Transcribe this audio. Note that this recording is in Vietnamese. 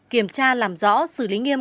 kiểm tra làm rõ xử lý nghiêm